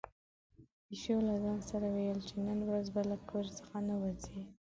پيشو له ځان سره ویل چې نن ورځ به له کور څخه نه وځي.